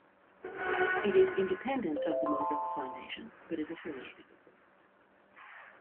It is independent of the Mozilla Foundation, but is affiliated with them.